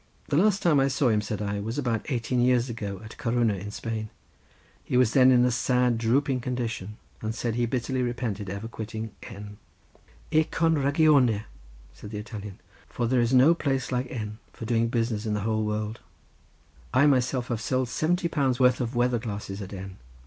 "The last time I saw him," said I, "was about eighteen years ago at Coruña, in Spain; he was then in a sad drooping condition, and said he bitterly repented ever quitting N." "E con ragione," said the Italian, "for there is no place like N. for doing business in the whole world. I myself have sold seventy pounds' worth of weather glasses at N.